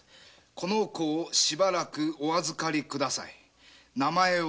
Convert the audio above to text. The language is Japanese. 「この子をしばらくお預り下さい名前は新助」